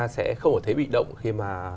sẽ không ở thế bị động khi mà